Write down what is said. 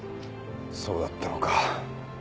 そうだったのか。